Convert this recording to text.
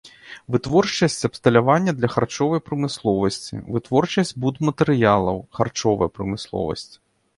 Вытворчасць абсталявання для харчовай прамысловасці, вытворчасць будматэрыялаў, харчовая прамысловасць.